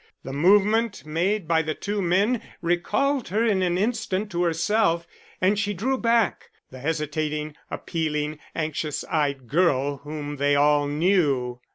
The movement made by the two men recalled her in an instant to herself, and she drew back the hesitating, appealing, anxious eyed girl whom they all knew.